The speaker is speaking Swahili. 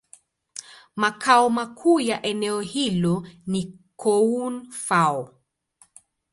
Makao makuu ya eneo hilo ni Koun-Fao.